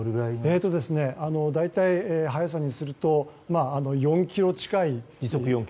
大体、速さにすると４キロ近い。